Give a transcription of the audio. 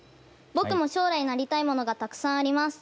ぼくも将来なりたいものがたくさんあります。